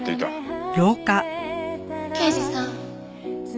刑事さん。